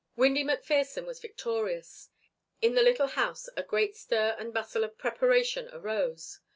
Windy McPherson was victorious. In the little house a great stir and bustle of preparation arose.